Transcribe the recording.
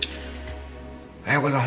綾子さん